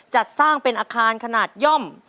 จัดสร้างเป็นอาคารขนาดย่อม